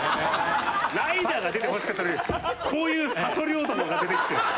ライダーが出てほしかったのにこういうさそり男が出てきて。